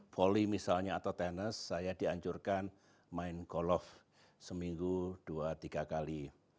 volley misalnya atau tenis saya dianjurkan main golf seminggu dua tiga kali